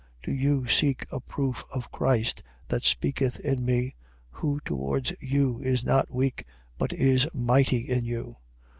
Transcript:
13:3. Do you seek a proof of Christ that speaketh in me, who towards you is not weak, but is mighty in you?